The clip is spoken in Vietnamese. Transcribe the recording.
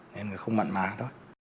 nên người ta không mặn mà thôi